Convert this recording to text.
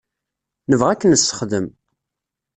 Nebɣa ad k-nessexdem.